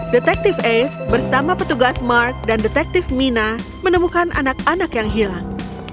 detektif ace bersama petugas mark dan detektif mina menemukan anak anak yang hilang